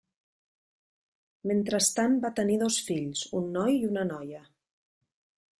Mentrestant va tenir dos fills, un noi i una noia.